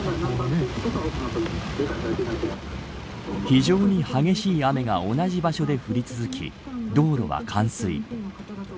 非常に激しい雨が同じ場所で降り続き道路は冠水。